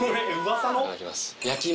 いただきます。